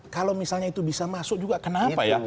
kalau misalnya itu bisa masuk juga kenapa